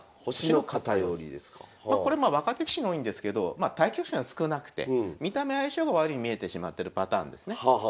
これまあ若手棋士に多いんですけどまあ対局数が少なくて見た目相性が悪いように見えてしまってるパターンですね。